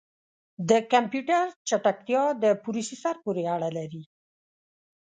د کمپیوټر چټکتیا د پروسیسر پورې اړه لري.